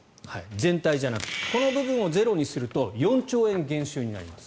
全体じゃなくてこの部分をゼロにすると４兆円減収になります。